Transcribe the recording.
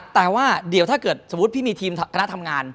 แต่ว่าเดี๋ยวถ้าเกิดสมมุติพี่มีทีมคณะทำงาน